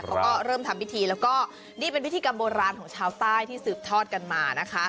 เขาก็เริ่มทำพิธีแล้วก็นี่เป็นพิธีกรรมโบราณของชาวใต้ที่สืบทอดกันมานะคะ